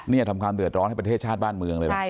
นี่ทำความเดือดร้อนให้ประเทศชาติบ้านเมืองเลยไหม